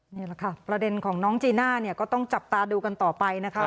นี่แหละค่ะประเด็นของน้องจีน่าเนี่ยก็ต้องจับตาดูกันต่อไปนะคะ